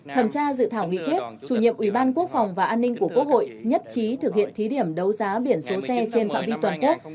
thẩm tra dự thảo nghị quyết chủ nhiệm ủy ban quốc phòng và an ninh của quốc hội nhất trí thực hiện thí điểm đấu giá biển số xe trên phạm vi toàn quốc